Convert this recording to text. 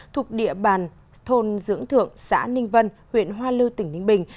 thuộc địa bàn thôn dưỡng thượng xã ninh vân huyện hoa lưu tỉnh ninh bình